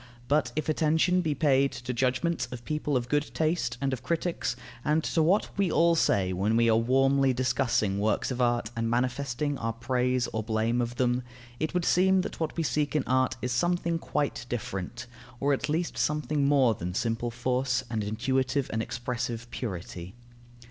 But if attention be paid to judgments of people of good taste and of critics, and to what we all say when we are warmly discussing works of art and manifesting our praise or blame of them, it would seem that what we seek in art is something quite different, or at least something more than simple force and intuitive and expressive purity.